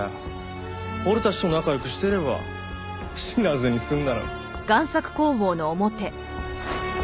俺たちと仲良くしてれば死なずに済んだのに。